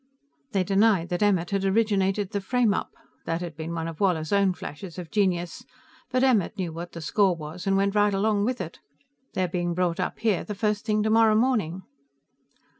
"They denied that Emmert had originated the frameup. That had been one of Woller's own flashes of genius, but Emmert knew what the score was and went right along with it. They're being brought up here the first thing tomorrow morning."